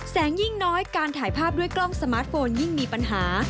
ยิ่งน้อยการถ่ายภาพด้วยกล้องสมาร์ทโฟนยิ่งมีปัญหา